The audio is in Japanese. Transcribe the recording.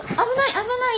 危ない！